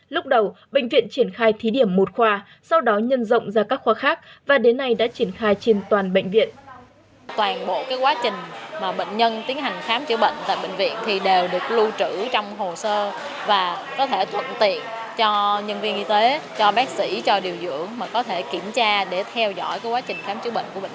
lúc đầu bệnh viện triển khai thí điểm một khoa sau đó nhân rộng ra các khoa khác và đến nay đã triển khai trên toàn bệnh viện